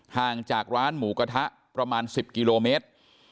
ห่างจากร้านหมูกระทะประมาณ๑๐กิโลเมตร